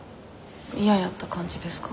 嫌やった感じですか？